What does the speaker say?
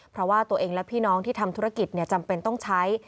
เพราะว่าตัวเองและพี่น้องที่ทำธุรกิจจำเป็นต้องใช้